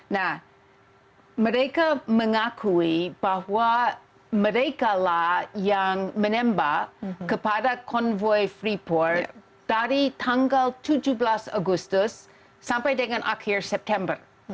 nah mereka mengakui bahwa mereka lah yang menembak kepada konvoy freeport dari tanggal tujuh belas agustus sampai dengan akhir september